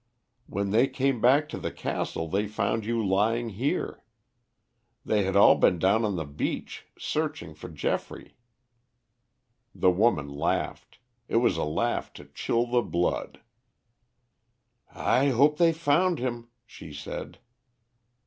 When they came back to the castle they found you lying here. They had all been down on the beach searching for Geoffrey." The woman laughed. It was a laugh to chill the blood. "I hope they found him," she said.